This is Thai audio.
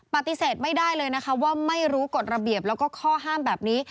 ปฏิเสธไม่ได้เลยนะคะว่าไม่รู้กฎระเบียบแล้วก็ข้อห้ามแบบนี้